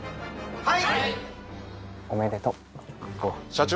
はい！